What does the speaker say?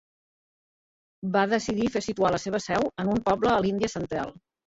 Va decidir fer situar la seva seu en un poble a l'Índia Central.